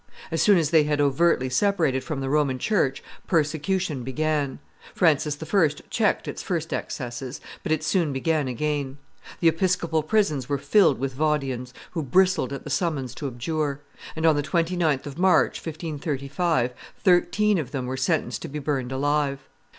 As soon as they had overtly separated from the Roman church, persecution began; Francis I. checked its first excesses, but it soon began again; the episcopal prisons were filled with Vaudians, who bristled at the summons to abjure; and on the 29th of March, 1535, thirteen of them were sentenced to be burned alive.